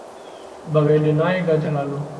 Bagai denai gajah lalu